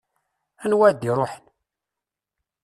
Anwa ad iruḥen?